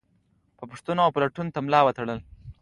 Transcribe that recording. پوښتنو او پلټنو ته ملا وتړله.